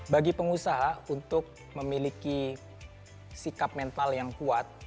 bagi pengusaha untuk memiliki sikap mental yang kuat